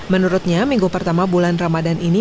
menurutnya minggu pertama bulan ramadan ini